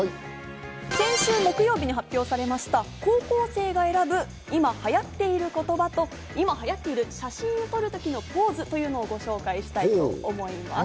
先週木曜日に発表されました、高校生が選ぶ今流行っている言葉と今流行っている写真を撮るときのポーズというのをご紹介したいと思います。